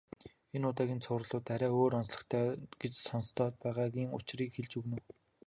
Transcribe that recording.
Энэ удаагийн цувралууд арай өөр онцлогтой гэж сонстоод байгаагийн учрыг хэлж өгнө үү.